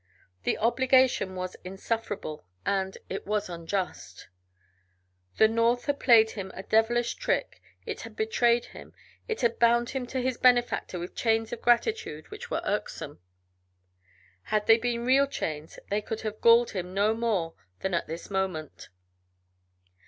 The obligation was insufferable, and it was unjust. The North had played him a devilish trick, it had betrayed him, it had bound him to his benefactor with chains of gratitude which were irksome. Had they been real chains they could have galled him no more than at this moment.